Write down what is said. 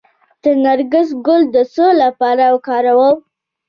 د نرګس ګل د څه لپاره وکاروم؟